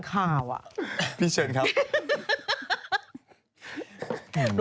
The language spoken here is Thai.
วันที่สุดท้าย